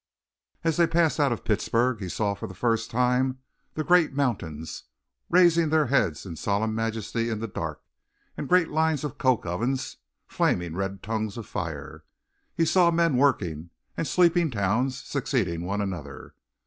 As they passed out of Pittsburgh he saw for the first time the great mountains, raising their heads in solemn majesty in the dark, and great lines of coke ovens, flaming red tongues of fire. He saw men working, and sleeping towns succeeding one another.